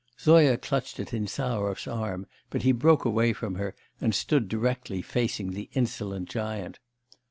Zoya clutched at Insarov's arm, but he broke away from her, and stood directly facing the insolent giant.